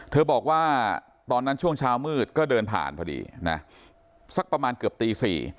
บอกว่าตอนนั้นช่วงเช้ามืดก็เดินผ่านพอดีนะสักประมาณเกือบตี๔